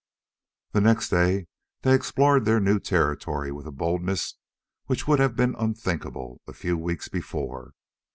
The next day they explored their new territory with a boldness which would have been unthinkable a few weeks before.